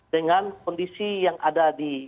dengan kondisi yang ada di